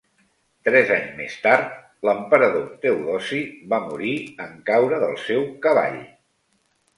Tres anys més tard, l'emperador Teodosi va morir en caure del seu cavall.